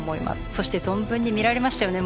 そして存分に見られましたよね。